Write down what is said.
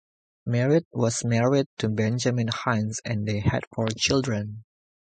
Merritt was married to Benjamin Hines and they had four children.